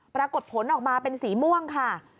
ปรากฏผลออกมาเป็นสีม่วงค่ะ